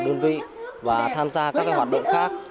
đơn vị và tham gia các hoạt động khác